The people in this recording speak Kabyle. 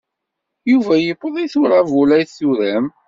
Yuba yewweḍ-it uṛabul ay turam.